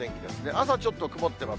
朝ちょっと曇ってます。